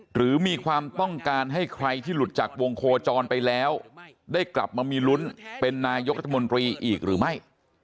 หรือมีความต้องการให้ใครที่หลุดจากวงโคจรไปแล้วได้กลับมามีลุ้นเป็นนายกรัฐมนตรีอีกหรือไม่